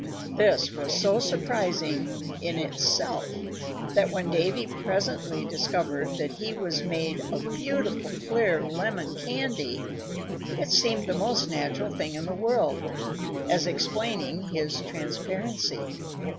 This was so surprising in itself that when Davy presently discovered that he was made of beautiful, clear lemon candy, it seemed the most natural thing in the world, as explaining his transparency.